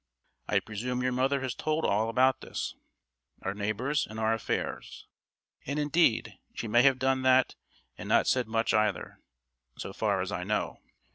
I presume your mother has told all about us, our neighbours and our affairs. And indeed she may have done that and not said much either, so far as I know.